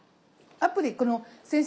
アプリこの先生